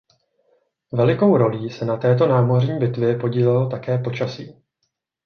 Velikou rolí se na této námořní bitvě podílelo také počasí.